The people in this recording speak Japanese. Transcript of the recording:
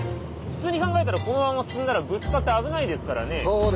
普通に考えたらこのまま進んだらぶつかって危ないですからね。